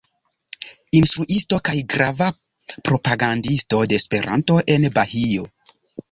Instruisto kaj grava propagandisto de Esperanto en Bahio.